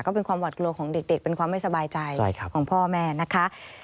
ก็เป็นความหวัดกลัวของเด็กเป็นความไม่สบายใจของพ่อแม่นะคะ